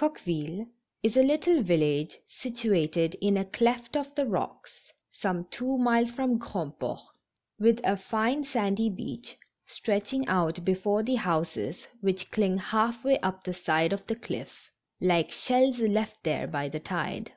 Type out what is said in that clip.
OQUEVILLE is a little village situated in a cleft Ay of the rocks, some two miles from Grandport, with a fine sandy beach, stretching out before the hcmses wliich cling half way up the side of the cliff, like shells left there by the tide.